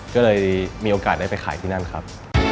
ก็เลยมีโอกาสได้ไปขายที่นั่นครับ